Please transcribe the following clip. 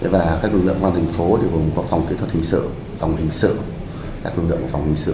và các lực lượng quân an thành phố gồm phòng kỹ thuật hình sự phòng hình sự